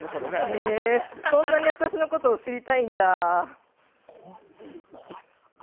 へえ、そんなに私のこと知りたいんだあ。